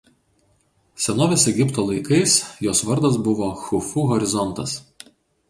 Senovės Egipto laikais jos vardas buvo „Chufu horizontas“.